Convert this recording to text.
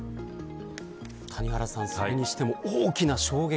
谷原さん、それにしても大きな衝撃。